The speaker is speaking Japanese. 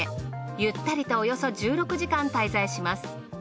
ゆったりとおよそ１６時間滞在します。